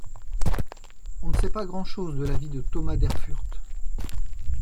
On ne sait pas grand chose de la vie de Thomas d'Erfurt.